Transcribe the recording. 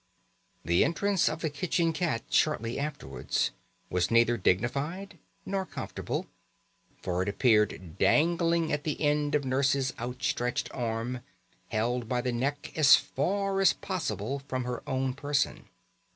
The entrance of the kitchen cat shortly afterwards was neither dignified nor comfortable, for it appeared dangling at the end of Nurse's outstretched arm, held by the neck as far as possible from her own person.